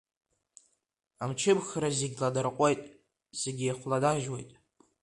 Амчымхара зегь ланарҟәуеит, зегь еихәланажьуеит.